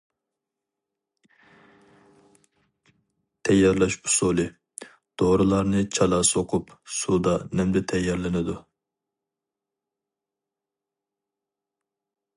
تەييارلاش ئۇسۇلى: دورىلارنى چالا سوقۇپ، سۇدا نەمدە تەييارلىنىدۇ.